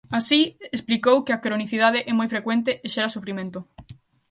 Así, explicou que a "cronicidade é moi frecuente e xera sufrimento".